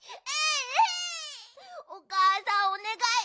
おかあさんおねがい。